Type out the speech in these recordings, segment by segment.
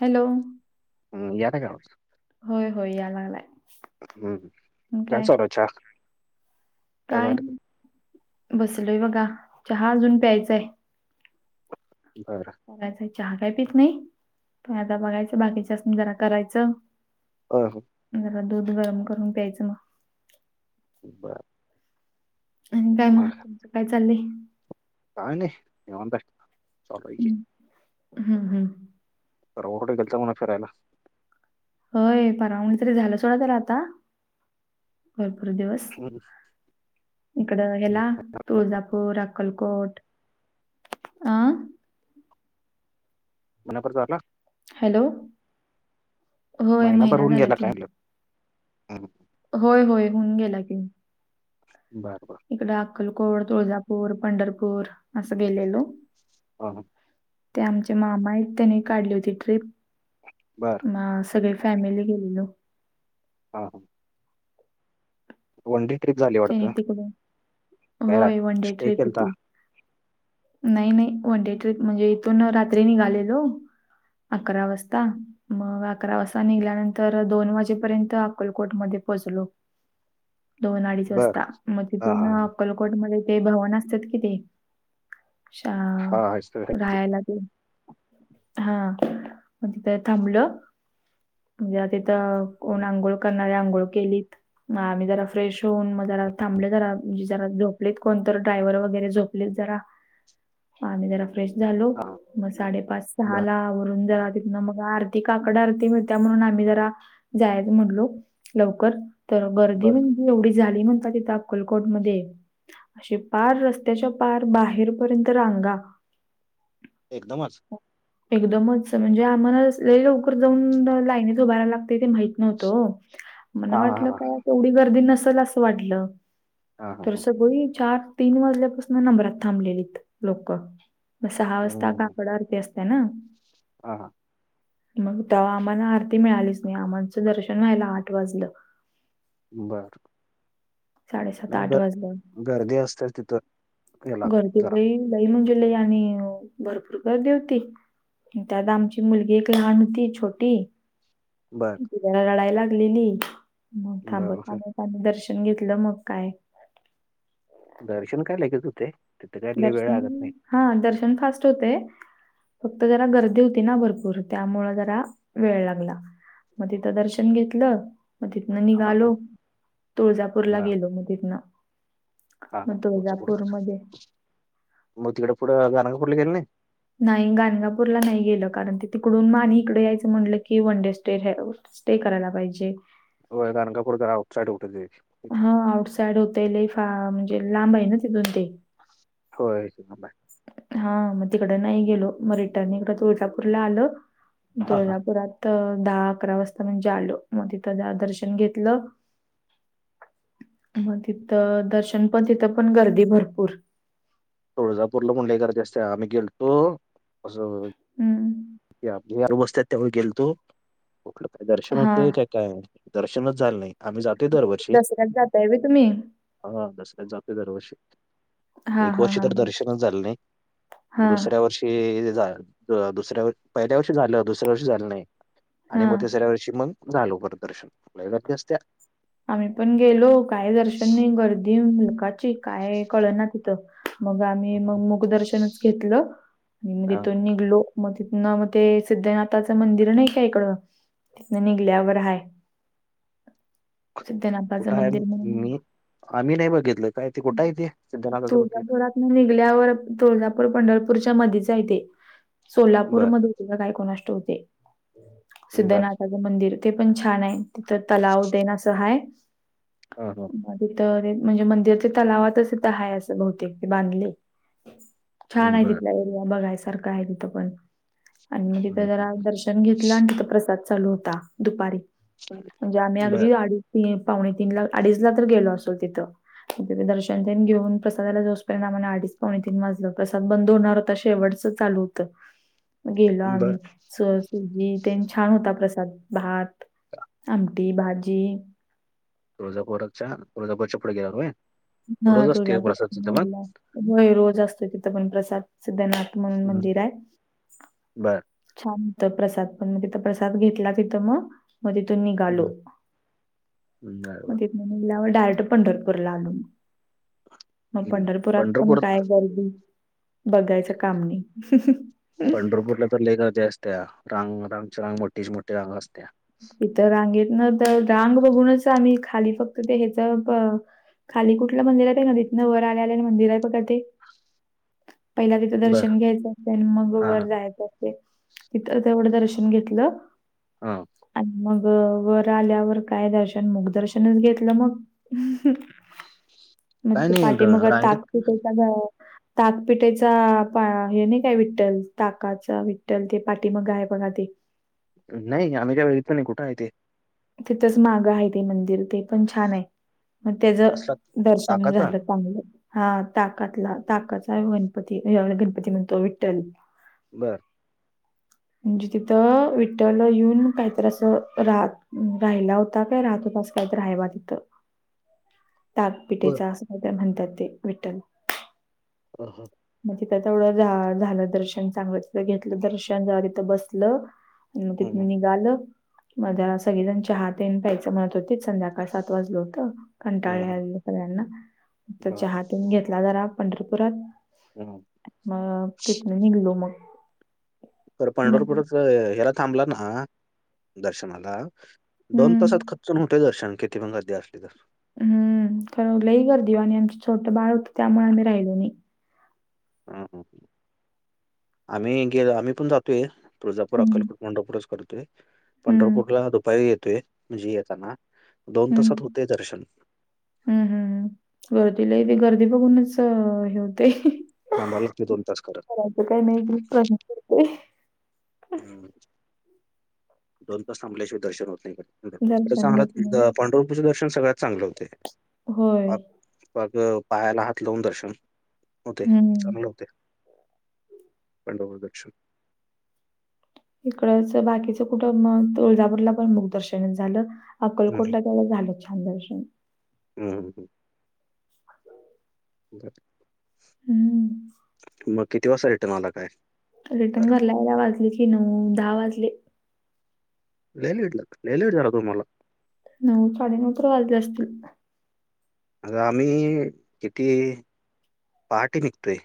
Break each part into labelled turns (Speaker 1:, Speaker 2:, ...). Speaker 1: Hello
Speaker 2: हम् याला का
Speaker 1: होय होय या लागलाय
Speaker 2: हम्म काय चालयच्या
Speaker 1: काय बसलोय बघा चहा अजून प्यायचाय
Speaker 2: बरं
Speaker 1: बघायचय चहा काय पीच नाही पण आता बघायचं बाकीच्या असून जरा करायचं
Speaker 2: अह,
Speaker 1: जरा दूध गरम करून प्यायचं मग
Speaker 2: बर
Speaker 1: आणि काय महा तुमचं काय चालय
Speaker 2: काणे निंत चचालयके
Speaker 1: हम्म हम्म हम्म.
Speaker 2: परवा कुठं गेलता म्हण फिरायला?
Speaker 1: होय. पारवा म्हणल तरी झालं सोडा त्याला आता. भरपूर दिवस
Speaker 2: हम्म.
Speaker 1: इकड हेला तुळजापूर, अक्कलकोट. आ?
Speaker 2: पुन्हा परत आला?
Speaker 1: हॅलो होय
Speaker 2: महिनाभर
Speaker 1: महिना
Speaker 2: होऊन
Speaker 1: झाल
Speaker 2: गेला
Speaker 1: की.
Speaker 2: काय म्हणलं हम्म.
Speaker 1: होय होय हून गेला की.
Speaker 2: बरं बरं
Speaker 1: इकड अक्कलकोट, तुळजापूर, पंढरपूर असं गेलेलो.
Speaker 2: हा हा.
Speaker 1: ते आमचे मामा हायत त्यानि काढली होती ट्रिप.
Speaker 2: बरं
Speaker 1: म सगळे फॅमिली गेलेलो.
Speaker 2: हा हा. वन डे ट्रिप झाली वाटत?
Speaker 1: त्यांनी तिकडे
Speaker 2: काय
Speaker 1: होय वन डे
Speaker 2: स्टे
Speaker 1: ट्रिप
Speaker 2: केलता.
Speaker 1: होती नाही नाही वन डे ट्रीप, म्हणजे इथून रात्री निघालेलो. अकरा वाजता. मग अकरा वाजता निघल्यानंतर दोन वाजेपर्यंत अकोलकोटमध्ये पोचलो.
Speaker 2: [inaudible]
Speaker 1: दोन अडीच
Speaker 2: बरं
Speaker 1: वाजता. मग
Speaker 2: हां
Speaker 1: तिथून
Speaker 2: हां
Speaker 1: अक्कलकोटमध्ये ते भवन असत्यात कि ते शा
Speaker 2: हां हां
Speaker 1: राहायला तेन. हा मग तिथ थांबलं. म्हणजे आ कोण
Speaker 2: केलता.
Speaker 1: आंघोळ करणारे आंघोळ केलीत. आम्ही जरा फ्रेश होऊन मग जरा थांबल जरा म्हणे जरा झोपलेत कोण तर, ड्रायव्हर वगैरे झोपलीत जरा. म आम्ही जरा फ्रेश झालो.
Speaker 2: हां
Speaker 1: मग साडेपाच
Speaker 2: बरं
Speaker 1: सहाला आवरून जरा मग आरती काकड आरती मिळत्या म्हणून आम्ही जरा जायच म्हणलो लवकर तर गर्दी
Speaker 2: बरं
Speaker 1: म्हणजे एवढी झाली म्हणता तिथे अक्कलकोट मध्ये असे पार रस्त्याच्या पार बाहेर बाहेर पर्यंत रांगा
Speaker 2: एकदमच
Speaker 1: एकदमच म्हणजे आम्हाला लय लवकर जाऊन लाईनीत उभा रहायला लागते ते माहित नव्हतं ओ मला
Speaker 2: हां हां
Speaker 1: वाटलं
Speaker 2: हां
Speaker 1: काय तेवढी गर्दी नसल असं वाटलं
Speaker 2: हां
Speaker 1: तर
Speaker 2: हां
Speaker 1: सगळी चार तीन वाजल्यापासून नंबरात थांबलेलीत लोक म सहा वाजता काकड आरती असते ना.
Speaker 2: हा हा.
Speaker 1: मग तेव्हा आम्हाला आरती मिळालीच नाही आमचं दर्शन व्हायला आठ वाजलं.
Speaker 2: बर नाही ग
Speaker 1: वाजलं.
Speaker 2: गर्दी असते तिथं. याला
Speaker 1: गर्दी
Speaker 2: जरा
Speaker 1: लई लई म्हणजे लई आणि भरपूर गर्दी होती. त्यात आमची मुलगी एक लहान होती छोटी.
Speaker 2: बरं
Speaker 1: किती जरा रडायला लागलेली मग थांबत
Speaker 2: बरं
Speaker 1: थांबत दर्श. घेतलं मग काय.
Speaker 2: दर्शन काय लगेच हूतय.
Speaker 1: दर्शन. हा दर्शन फास्ट हूतय. फक्त जरा गर्दी होती ना भरपूर त्यामुळं जरा वेळ लागला मग तिथं दर्शन घेतलं म तिथन
Speaker 2: हा हा
Speaker 1: निघालो तुळजापूरला
Speaker 2: बर
Speaker 1: गेलो म तिथन
Speaker 2: हा हा
Speaker 1: मग
Speaker 2: तुमचं बोलणं.
Speaker 1: तुळजापूरमध्ये
Speaker 2: मग तिकडं पुढं गाणगापूर ला गेला नाही
Speaker 1: नाही गाणगापूरला नाही गेलं कारण ते तिकडून मा आणि इकडे यायचं म्हटलं की वनडे स्टे हे स्टे करायला पाहिजे
Speaker 2: हो गाणगापूर जरा आउट साईड होतय
Speaker 1: हा आउटसाईड होतय लय फार म्हणजे लांब आहे ना तिथून ते.
Speaker 2: होय.
Speaker 1: हा मग तिकडे नाही गेलो मग रिटर्न इकडं तुळजापूरला आलं.
Speaker 2: हा हा.
Speaker 1: तुळजापुरात. दहा अकरा वाजता म्हणजे आलो मग तिथं दर्शन घेतलं. मग तिथं दर्शन पण तिथं पण गर्दी भरपूर.
Speaker 2: तुळजापूरला पण लई गर्दी असत्या आम्ही गेलतो असं.
Speaker 1: हं.
Speaker 2: आप आरू बसतात त्याव गेलतो कुठलं काय दर्शन
Speaker 1: हां.
Speaker 2: होते काय काय. दर्शनच झालं नाही आम्ही जातोय दरवर्षी.
Speaker 1: दसऱ्यात जाताय व्हय तुम्ही?
Speaker 2: हा तस जाते दरवर्षी.
Speaker 1: हां,
Speaker 2: एक
Speaker 1: हां,
Speaker 2: वर्षी तर
Speaker 1: हां.
Speaker 2: दर्शनच झालं नाही म
Speaker 1: हां,
Speaker 2: दुसऱ्या वर्षी. दुसऱ्या पहिल्या वर्षी झालं दुसऱ्या वर्षी झालं नाही आणि
Speaker 1: हां.
Speaker 2: मग तिसऱ्या वर्षी मग. झालो दर्शन लई गर्दी असत्या.
Speaker 1: आम्ही पण काची काय कळ ना तिथं. मग आम्ही मग मुख दर्शनच घेतलं आणि मग
Speaker 2: हा
Speaker 1: तिथून निघलो. मग तिथन मग ते सिद्धनाथाचं मंदिर नाही का इकडं. मग निघल्यावर हाय.
Speaker 2: [inaudible]
Speaker 1: सिद्धनाथचं
Speaker 2: कुठं आहे
Speaker 1: मंदिर म्हणून
Speaker 2: मी आम्ही नाही बघितलं काय ते कुठं आहे ते
Speaker 1: [inaudible]
Speaker 2: सिद्धनाथाचं मंदिर
Speaker 1: तुळजापुरात न निघल्यावर तुळजापूर, पंढरपूर पूरच्या मध्येच आहे तेे
Speaker 2: बर
Speaker 1: सोलापूरमध्ये होतीत काय कोणास ठाऊक. ते.
Speaker 2: बर
Speaker 1: सिद्धनाथाचं मंदिर ते पण छान आहे तिथं तलाव तेण असं हाय
Speaker 2: हा हा
Speaker 1: म तिथं ते ण म्हणजे मंदिर ते तलावातच तीथ हाय असं बहुतेक ते बांधलय. छान आहे
Speaker 2: बर
Speaker 1: तिथल्या एरिया बघायसारखं आहे तिथं पण. आणि मी तिथे
Speaker 2: हम्म,
Speaker 1: जरा दर्शन घेतलं आणि तिथ प्रसाद चालू होता दुपारी
Speaker 2: हम्म.
Speaker 1: म्हणजे आम्ही
Speaker 2: बर
Speaker 1: आगदी आडिज पावणे तीनला अडीच ला तर गेलो असल तिथ दर्शन तेन घेऊन प्रसादाला जाऊस पर्यंत आम्हणा अडीच पावणे तीन वाजलं प्रसाद बंद होणार होता शेवटच चालू होत. गेलो
Speaker 2: बर
Speaker 1: आम्ही स सुजी तेन छान होता प्रसाद भात, आम, टी, भाजी.
Speaker 2: तुळजापोरच्या तुळजापूरच्या पुढे गेलावर होय?
Speaker 1: हा
Speaker 2: रोज असते प्रसाद
Speaker 1: तुळजापुरातन
Speaker 2: तिथं मग
Speaker 1: निघल्याव होय रोज असतोय तिथं पण प्रसाद. सिद्धनाथ म्हणून
Speaker 2: हम्म.
Speaker 1: मंदिर हाय
Speaker 2: बर
Speaker 1: छान होतं प्रसाद पण म तिथं प्रसाद घेतला तिथं म म तीथून निघालो.
Speaker 2: हम्म. बर
Speaker 1: म
Speaker 2: बर
Speaker 1: तिथन निघाल्यावर डायरेक्ट पंढरपूरला आलो म. मग
Speaker 2: हम्म.
Speaker 1: पंढरपुरात पण
Speaker 2: पंढरपूर
Speaker 1: काय गर्दी बघायचं काम नाही.
Speaker 2: पंढरपूरला तर लय गर्दी असतीया. रांग रांगची रांग मोठीच्या मोठी रांग असतीया.
Speaker 1: इथं रांगेत न तर रांग बघूनच आम्ही खाली फक्त ते ह्याच खाली कुठलं मंदिर आहे? नदितन वर आल्याल मंदिर आहे बघ ते?
Speaker 2: [inaudible]
Speaker 1: पहिला तिथं
Speaker 2: बर
Speaker 1: दर्शन घ्यायचं असतय आणि मग
Speaker 2: हा
Speaker 1: वर
Speaker 2: हा
Speaker 1: जायचं असतय. तिथं तेवढं दर्शन घेतल.
Speaker 2: हा.
Speaker 1: मग वर आल्यावर काय दर्शन मुखदर्शनच घेतलं मग.
Speaker 2: [inaudible]
Speaker 1: मग
Speaker 2: काय नाही र-
Speaker 1: पाठीमागं
Speaker 2: रांगेत
Speaker 1: ताकपिटेचा ताकपिटेचा हे नाही काय विठ्ठल ताकाच विठ्ठल ते पाठी माग हाय बगा ते.
Speaker 2: नाही आम्ही काय बागितल नाही कुठं आहे ते?
Speaker 1: तिथंच मागं आहे ते मंदिर. ते पण छान आहे मग त्याच
Speaker 2: कसला
Speaker 1: दर्शन
Speaker 2: ताकाचा
Speaker 1: झालं चांगलं. हा ताकातला ताकाचा गणपती. हे गणपती म्हणतो विठ्ठल.
Speaker 2: बरं,
Speaker 1: म्हणजे तिथं विठ्ठल येऊन काहीतरी असं राह राहिला होता काय राहत होता आस काहीतर हाय बा तिथं.
Speaker 2: [inaudible] बर
Speaker 1: ताकपिटेचा असं काय तर म्हणतात ते विठ्ठल.
Speaker 2: ह हा.
Speaker 1: मग तिथं तेवढं झालं दर्शन चांगलं तिथं घेतलं दर्शन जरा तिथं बसलं म तिथन
Speaker 2: हम्म
Speaker 1: निगाल म जरा सगळीजण चहा तेन प्यायचं म्हणत होतीत संध्याकाळ सात वाजलं होतं. कंटाळा
Speaker 2: हम्म
Speaker 1: याय लागलेला सगळ्यांना
Speaker 2: बर
Speaker 1: चहातेन घेतला जरा पंढरपुरात.
Speaker 2: हम्म
Speaker 1: म तिथन निघलो मग.
Speaker 2: तर
Speaker 1: मग
Speaker 2: पंढरपूरच हेला थांबला ना दर्शनाला दोन तासात
Speaker 1: हम्म.
Speaker 2: खचन होते दर्शन किती पण खधदी असली तर
Speaker 1: हम्म खरं लई कर देऊ आणि आमचं छोटं बाळ होतं त्यामुळे आम्ही राहिलो नाही
Speaker 2: हम ह आम्ही गेलो आम्ही पण जातोय तुळजापर
Speaker 1: हं.
Speaker 2: अक्कलकड पंढरपरच करतय
Speaker 1: हं.
Speaker 2: पंढरपूरला दुपारी येते म्हणजे येता ना
Speaker 1: हम् हम्म हम् गर्दी ल ब घरदी अधी बघूनच हे होतयं अ
Speaker 2: थांबायला
Speaker 1: ह.
Speaker 2: लागते दोन तास करत
Speaker 1: करायचं काय नाही प्रश्न पडतोय.
Speaker 2: हम. दोन तास थांबल्याशिवाय दर्शन होत नाही इकड पंढरपुरचं तेच
Speaker 1: दर्शन होत नाही.
Speaker 2: सांगायल्यात पंढरपूरच दर्शन अ सगळ्यात चांगलं होतय.
Speaker 1: होय.
Speaker 2: बाग पायाला हात लावून दर्शन होतयं
Speaker 1: हं.
Speaker 2: चांगले होतयं. पंढरपूर दर्शन.
Speaker 1: इकडच बाकीचं कुठं मं तुळजापूरला पण मुखदर्शनचं झालं.
Speaker 2: हं, हं.
Speaker 1: अक्कलकोटला तेव्हा झालं छान दर्शन.
Speaker 2: हम्म
Speaker 1: हं.
Speaker 2: मग किती वाजता रिटर्न आला काय?
Speaker 1: रिटर्न
Speaker 2: बरं.
Speaker 1: घरला यायला वाजले की नऊ, दहा वाजले.
Speaker 2: लय लेट झाल लय लेट झाला तुम्हाला
Speaker 1: नऊ साडेनऊ तर वाजले असतील.
Speaker 2: आगं आम्ही किती? पहाटी निघतोय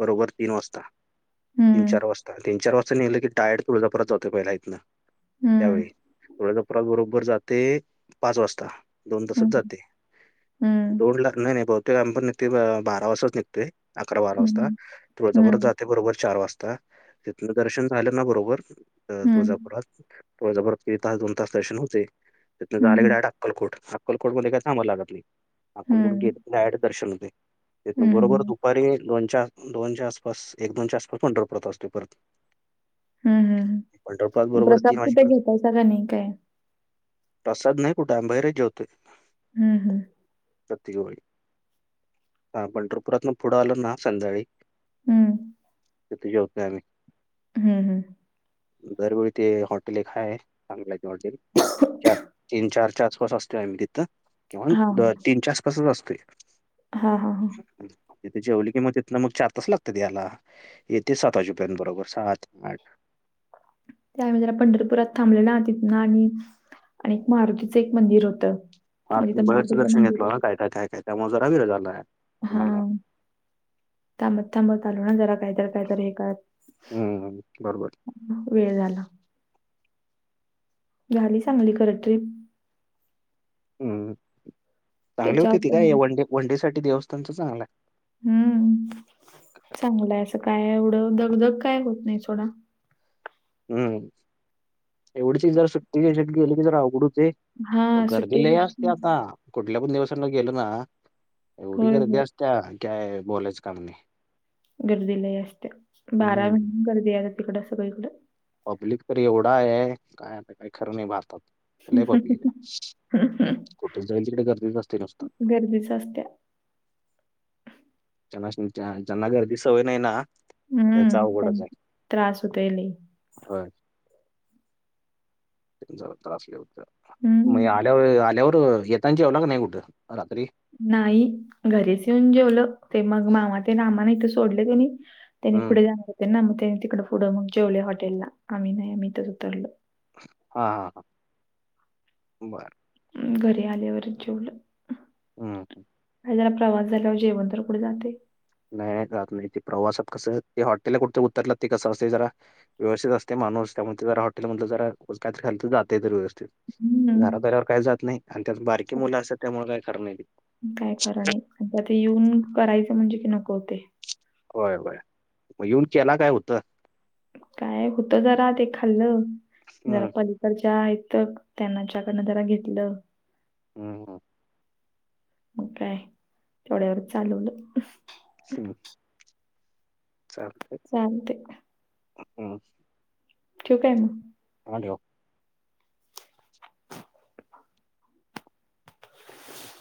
Speaker 2: बरोबर तीन वाजता. तीन
Speaker 1: हं.
Speaker 2: चार वाजता तीन चार वाजता निघलं की डायरेक्ट तुळजापूरात जातोय पहिला इथंन. त्यावेळी ळ्या दपरात बरोबर जाते पाच वाजता दोन तासच जाते दोन लाख नाही नाही बहुतेक काम पण निघ बारा वाजताच निघतोय अकरा बारा वाजता त जबर जाते बरोबर चार वाजता तिथन दर्शन झालं ना बरोबर तुजपरात तु जपर तास दोन तास सेशन होते तिनं झा क डाट अक्कलकोट अक्कलकोटमध्ये काही सांमाला लागत नाही अक्कलकडून घेत डायरेक्ट दर्शन होतयं बरोबर दुपारी दोनच्या दोनच्या आसपास एक दोनच्या आसपास पंढरपूरात असतोय परत
Speaker 1: हम्म
Speaker 2: पंढरपुरात
Speaker 1: हम
Speaker 2: बरोबर तीन
Speaker 1: प्रसाद कुठं
Speaker 2: वाजेपर्यंत
Speaker 1: घेताय सा काय नाही काय?
Speaker 2: प्रसाद नाही कुठं आम्ही बाहेरचं जेवतोय.
Speaker 1: हम्म हम्म.
Speaker 2: प्रत्येक वेळी हा पंढरपुरात ना पुढं आलं ना संध्याकाळी
Speaker 1: हम्म.
Speaker 2: तिथं जेवतोय आम्ही.
Speaker 1: ह.
Speaker 2: दरवेळी ते हॉटेल एक हाय, चांगलाय ते हॉटेल. चार तीन चारच्या आसपास असतोय आम्ही तिथं
Speaker 1: हां,
Speaker 2: किंवा
Speaker 1: हां.
Speaker 2: तीन चार आसपासच असतोय.
Speaker 1: हां, हां, हां.
Speaker 2: स्वप्नील तिथे जेवली कि मग तिथन मग चार तास लागत्यात यायला येतयं सात वाजेपर्यंत बरोबर सात, आठ [inaudible]
Speaker 1: ते आम्ही जरा पंढरपुरात थांबलो ना तिथंन आणि आणि मारुतीचं एक मंदिर होतं.
Speaker 2: हा
Speaker 1: मग
Speaker 2: तुम्ही
Speaker 1: तिथं
Speaker 2: बऱ्याच
Speaker 1: मारुतीचं
Speaker 2: दर्शन
Speaker 1: मंदिर
Speaker 2: घेतलायं ना काय काय काय काय त्यामुळे जरा वेळ झालाय.
Speaker 1: हा
Speaker 2: तुम्हाला
Speaker 1: थांबत थांबत आलोना जरा काहीतर काहीतर हे करत
Speaker 2: हम्म बरोबर
Speaker 1: वेळ झाला. झाली चांगली खरं ट्रिप
Speaker 2: हम्म चांगल होतयं
Speaker 1: त्याच्यावर
Speaker 2: ते
Speaker 1: पण
Speaker 2: काय
Speaker 1: मग
Speaker 2: वनडे वनडे साठी देवस्थानंच चांगलाय.
Speaker 1: हम्म. चांगलंय असं काय एवढं दगधग काय होत नाही सोडा.
Speaker 2: हम्म एवढंचं कि जरा सुट्टीच्या ह्यच्यात गेली की जरा अवघड हु तयं
Speaker 1: हां,
Speaker 2: गर्दी
Speaker 1: सुट्टी
Speaker 2: लई
Speaker 1: दिवशी
Speaker 2: असतिया आता कुठ कुठल्या पण दिवसांना गेलं ना एवढी
Speaker 1: होय,
Speaker 2: गर्दी
Speaker 1: होय.
Speaker 2: असत्या काय बोलायचं काम नाही.
Speaker 1: गर्दी लई असतिया बारा
Speaker 2: हम्म
Speaker 1: महिने गर्दी आहे तिकडं सगळीकड.
Speaker 2: पब्लिक तर एवढा आहे काय आता काही खरं नाही बात.
Speaker 1: हा हं हा हं.
Speaker 2: कुठं जाईल तिकडं गर्दीच असतयं नुसता.
Speaker 1: असते.
Speaker 2: त्यांनास्नी त्या ज्यांना गर्दीची सवय नाही ना त्यांचा
Speaker 1: हं, त्यां
Speaker 2: अवघडच आहे
Speaker 1: त्रास होतोय लई.
Speaker 2: होय ज त्रासले होते, म
Speaker 1: हं,
Speaker 2: आल्यावर आल्यावर. क येताना जेवला की, नाही कुठं रात्री [inaudible]
Speaker 1: नाही घरीच येऊन, जेवलं ते मग मामा ते अमाना इथे सोडले त्यांनी कानी, त्यांनी
Speaker 2: हं.
Speaker 1: पुढे जाणार होते ना मग, त्यानी तिकडं पुढं मग जेवले हॉटेलला आम्ही नाही आम्हीथं उतरलो.
Speaker 2: हा हा ह बर,
Speaker 1: घरी आल्यावर जेवल,
Speaker 2: हम् हम,
Speaker 1: जरा प्रवास झाल्यावर जेवण तर कुठे जाते.
Speaker 2: नाही जात नाही ते प्रवासात कसं, ते हॉटेल कुठं उतरलं ते कसं असते जरा व्यवस्थित असते. [unintelligible] हॉटेल जरा उगाच काही तर खाल जात य तर व्यवस्थित
Speaker 1: हं,
Speaker 2: घरात आलं वर काही जात नाही [inaudible] त्यात बारकी मुलं असतात त्यामुळे काय खरं नाही.
Speaker 1: काय ते म्हणजे की नको होतय.
Speaker 2: होय होय मग येऊन केला काय हुत?
Speaker 1: काय होत जरा ते खाल्लं जरा
Speaker 2: हं,
Speaker 1: पलीकडच्या तक त्यांनाच्याकडनं जरा घेतलं.
Speaker 2: हम हम.
Speaker 1: मग काय तेवढ्या वर चालवलं.
Speaker 2: हम्म.
Speaker 1: चालतय मग,
Speaker 2: [unintelligible]
Speaker 1: ठेव काय मग.
Speaker 2: अलिओ.